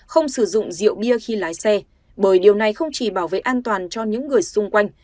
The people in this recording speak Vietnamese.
không sử dụng rượu bia khi lái xe bởi điều này không chỉ bảo vệ an toàn cho những người xung quanh